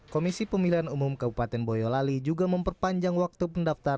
komisi pemilihan umum kabupaten boyolali juga memperpanjang waktu pendaftaran